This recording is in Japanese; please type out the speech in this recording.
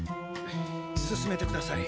進めてください。